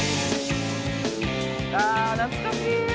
あ懐かしい！